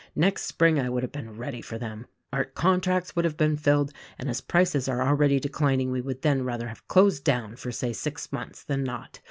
Next spring I would have been ready for them; our contracts would have been filled, and as prices are already declining, we would then rather have closed down, for say six months, than not.